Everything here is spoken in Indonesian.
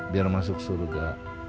biar masuk surga